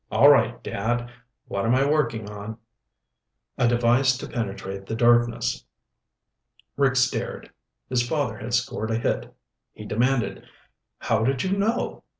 All right, Dad, what am I working on?" "A device to penetrate the darkness." Rick stared. His father had scored a hit. He demanded, "How did you know?"